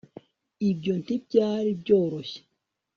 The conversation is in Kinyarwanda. ibyo ntibyari byoroshye